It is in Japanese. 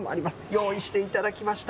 用意していただきました。